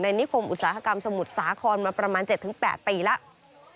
นิคมอุตสาหกรรมสมุทรสาครมาประมาณ๗๘ปีแล้ว